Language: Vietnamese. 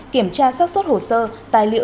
kiểm tra sát xuất hồ sơ tài liệu